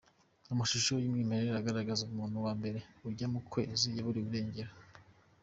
Amashusho y’umwimerere agaragaza umuntu wa mbere ajya kukwezi yaburiwe irengero.